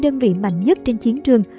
đơn vị mạnh nhất trên chiến trường